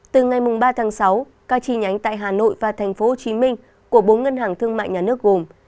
từ ngày ba tháng sáu các chi nhánh tại hà nội và tp hcm của bốn ngân hàng thương mại nhà nước gồm